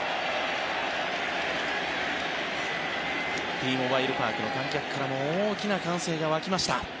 Ｔモバイル・パークの観客からも大きな歓声が沸きました。